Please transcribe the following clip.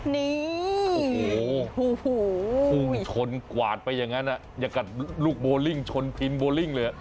นี่โอ้โหพุ่งชนกวาดไปอย่างนั้นอย่ากัดลูกโบลิ่งชนพิมพ์โบลิ่งเลย